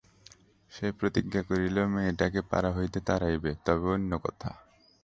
সে প্রতিজ্ঞা করিল, মেয়েটাকে পাড়া হইতে তাড়াইবে তবে অন্য কথা।